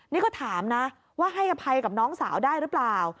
นี่ก็ถามนะว่าให้อภัยกับน้องสาวได้หรือเปล่า